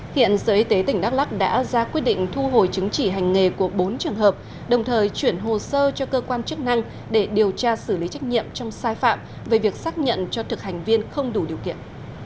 hiện sở y tế tỉnh đắk lắc đã ra quyết định thu hồi chứng chỉ hành nghề của bốn trường hợp đồng thời chuyển hồ sơ cho cơ quan chức năng để điều tra xử lý trách nhiệm trong sai phạm về việc xác nhận cho thực hành viên không đủ điều kiện